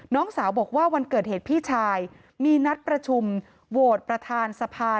น้องสาวบอกว่าวันเกิดเหตุพี่ชายมีนัดประชุมโหวตประธานสภา